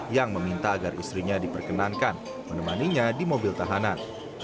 yang meminta agar istrinya diperkenankan menemaninya di mobil tahanan